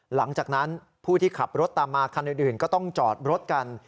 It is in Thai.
หลังจากนั้นผู้ที่ขับรถตามมาคันอื่นก็ต้องจอดรถกัน